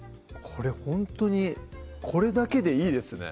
これほんとにこれだけでいいですね